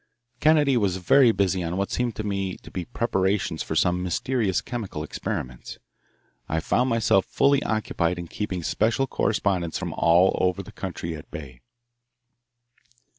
Kennedy was very busy on what seemed to me to be preparations for some mysterious chemical experiments. I found myself fully occupied in keeping special correspondents from all over the country at bay.